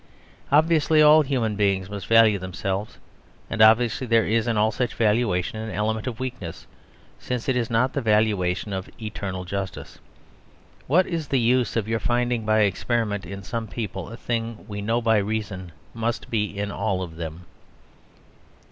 Obviously all human beings must value themselves; and obviously there is in all such valuation an element of weakness, since it is not the valuation of eternal justice. What is the use of your finding by experiment in some people a thing we know by reason must be in all of them?"